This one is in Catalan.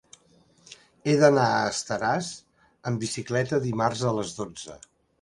He d'anar a Estaràs amb bicicleta dimarts a les dotze.